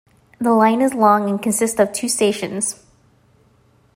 The line is -long and consists of two stations.